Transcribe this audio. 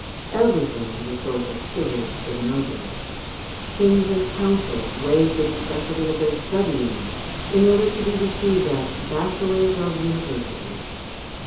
Everything was a source of privilege for the nobles. Kings and councils waived the necessity of their studying, in order to be received as bachelors of universities.